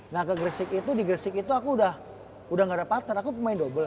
nah ke gresik itu di gresik itu aku udah gak ada partner aku pemain dobel